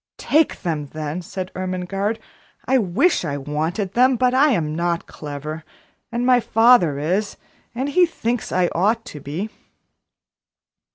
"Take them, then," said Ermengarde; "I wish I wanted them, but I am not clever, and my father is, and he thinks I ought to be."